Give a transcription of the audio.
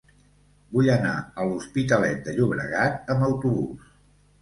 Vull anar a l'Hospitalet de Llobregat amb autobús.